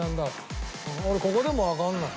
俺ここでもわかんない。